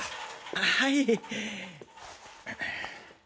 はい。